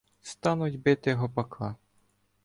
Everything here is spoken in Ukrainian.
Стануть бити гопака.